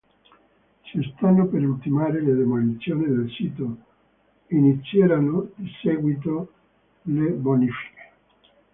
Si stanno per ultimare le demolizioni del sito, inizieranno di seguito le bonifiche.